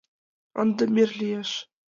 — Ынде мир лиеш.